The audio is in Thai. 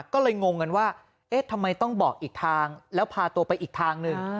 ก็เลยงงกันว่าเอ๊ะทำไมต้องบอกอีกทางแล้วพาตัวไปอีกทางหนึ่ง